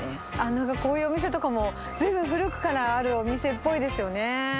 なんかこういうお店とかもずいぶん古くからあるお店っぽいですよね。